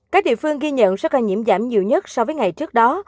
các địa phương ghi nhận sẽ có nhiễm giảm nhiều nhất so với ngày trước đó